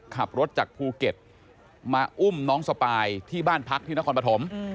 ขับรถจากภูเก็ตมาอุ้มน้องสปายที่บ้านพักที่นครปฐม